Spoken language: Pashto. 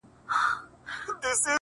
د رژېدلو باڼوگانو سره مينه لري~